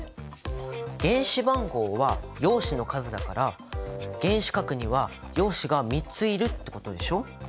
原子番号は陽子の数だから原子核には陽子が３ついるってことでしょ？